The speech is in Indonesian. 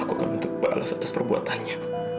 aku akan untuk balas atas perbuatannya